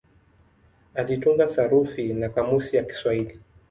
Alitunga sarufi na kamusi ya Kiswahili.